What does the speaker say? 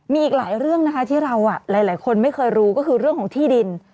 มีอีกหลายเรื่องนะคะที่เราหลายคนไม่เคยรู้ก็คือเรื่องของที่ดิน